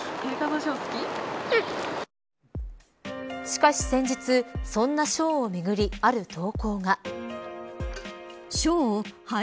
しかし先日、そんなショーをめぐりある投稿が。